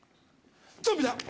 ゾンビだ！